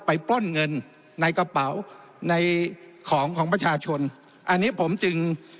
ปล้นเงินในกระเป๋าในของของประชาชนอันนี้ผมจึง